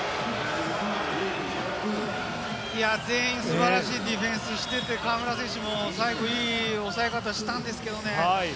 全員素晴らしいディフェンスしてて河村選手も最後いい抑え方したんですけれどもね。